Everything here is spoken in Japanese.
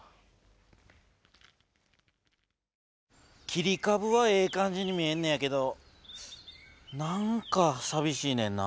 切りかぶはええ感じに見えんのやけど何かさびしいねんな。